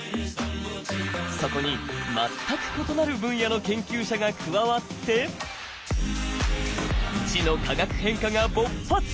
そこに全く異なる分野の研究者が加わって知の化学変化が勃発！